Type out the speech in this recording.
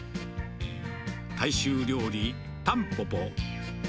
大衆料理たんぽぽ。